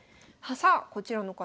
さあこちらの方